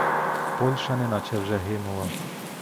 Польща неначе вже гинула.